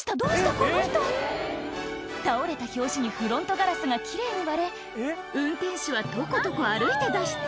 この人倒れた拍子にフロントガラスが奇麗に割れ運転手はトコトコ歩いて脱出